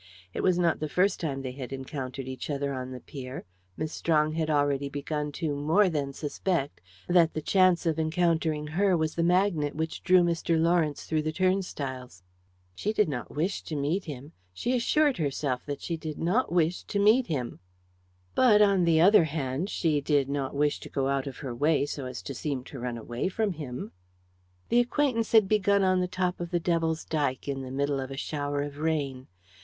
It was not the first time they had encountered each other on the pier; Miss Strong had already begun to more than suspect that the chance of encountering her was the magnet which drew Mr. Lawrence through the turnstiles. She did not wish to meet him; she assured herself that she did not wish to meet him. But, on the other hand, she did not wish to go out of her way so as to seem to run away from him. The acquaintance had begun on the top of the Devil's Dyke in the middle of a shower of rain.